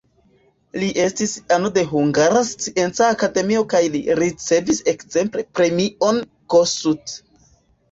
Li estis ano de Hungara Scienca Akademio kaj li ricevis ekzemple premion Kossuth.